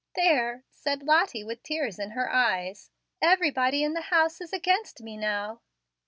"There," said Lottie with tears in her eyes, "everybody in the house is against me now."